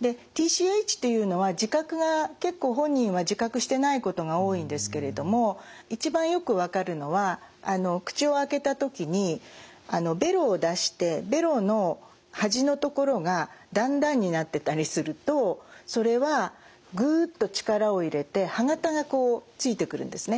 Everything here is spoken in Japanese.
でＴＣＨというのは自覚が結構本人は自覚してないことが多いんですけれども一番よく分かるのは口を開けた時にベロを出してベロの端の所が段々になってたりするとそれはぐっと力を入れて歯型がついてくるんですね。